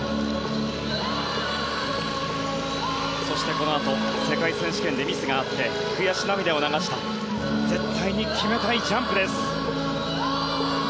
このあと世界選手権でミスがあって悔し涙を流した絶対に決めたいジャンプです！